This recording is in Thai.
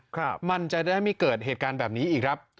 ครับมันจะได้ไม่เกิดเหตุการณ์แบบนี้อีกครับ